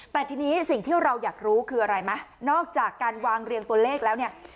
แต่ทีนี้สิ่งที่เราอยากรู้คืออะไรไหมนอกจากการวางเรียงตัวเลขแล้วเนี่ย